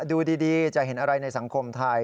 ดูดีจะเห็นอะไรในสังคมไทย